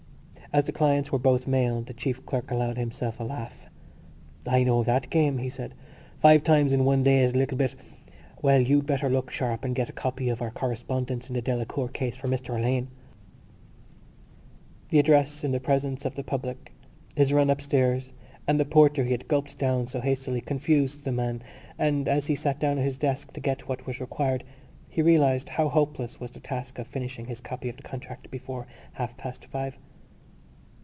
As the clients were both male the chief clerk allowed himself a laugh. "I know that game," he said. "Five times in one day is a little bit.... Well, you better look sharp and get a copy of our correspondence in the Delacour case for Mr Alleyne." This address in the presence of the public, his run upstairs and the porter he had gulped down so hastily confused the man and, as he sat down at his desk to get what was required, he realised how hopeless was the task of finishing his copy of the contract before half past five.